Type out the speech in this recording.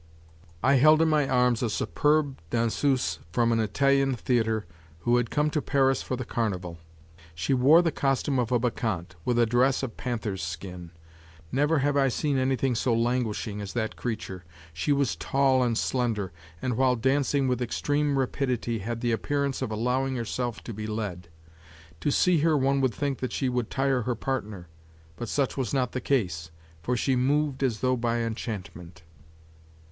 I held in my arms a superb danseuse from an Italian theater who had come to Paris for the carnival; she wore the costume of a bacchante, with a dress of panther's skin. Never have I seen anything so languishing as that creature. She was tall and slender, and while dancing with extreme rapidity, had the appearance of allowing herself to be led; to see her one would think that she would tire her partner, but such was not the case, for she moved as though by enchantment.